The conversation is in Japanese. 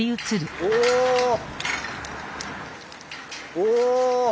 お。